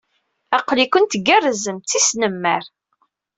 Aql-iken tgerrzem! Tisnemmar!